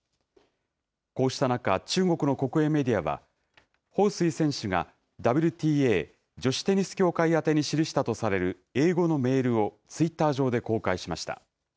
こうした中、中国の国営メディアは、彭帥選手がＷＴＡ・女子テニス協会宛てに記したとされる英語のメールを、ツイッター上で公開しました。